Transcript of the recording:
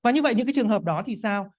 như vậy những trường hợp đó thì sao